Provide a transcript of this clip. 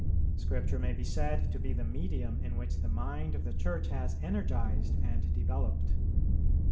Scripture may be said to be the medium in which the mind of the Church has energized and developed.